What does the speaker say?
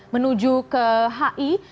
menuju ke hi